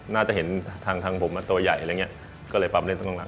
น่าจะเห็นทางผมตัวใหญ่อะไรอย่างเงี้ยก็เลยปั๊มเล่นตรงนั้น